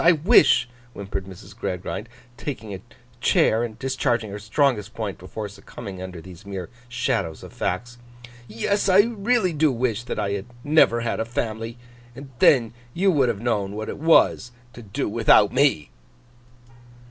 I wish,' whimpered Mrs. Gradgrind, taking a chair, and discharging her strongest point before succumbing under these mere shadows of facts, 'yes, I really do wish that I had never had a family, and then you would have known what it was to do without me!